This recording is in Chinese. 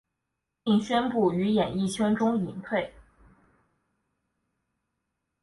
并宣布于演艺圈中隐退。